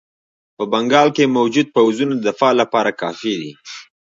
په بنګال کې موجود پوځونه د دفاع لپاره کافي دي.